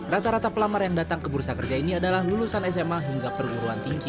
rata rata pelamar yang datang ke bursa kerja ini adalah lulusan sma hingga perguruan tinggi